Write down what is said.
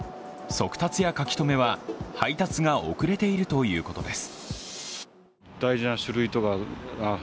速達や書留は配達が遅れているということです。